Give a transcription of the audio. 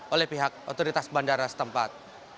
oleh pihak otoritas bandara setempat